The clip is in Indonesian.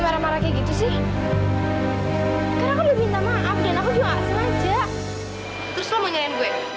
gara gara lah ya gue jadi jatuh dan tas gue juga semuanya jatuh